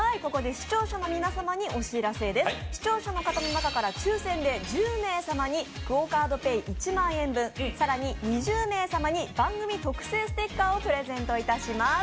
視聴者の方の中から抽選で１０名様にＱＵＯカードＰａｙ１万円分さらに２０名様に番組特製ステッカーをプレゼントいたします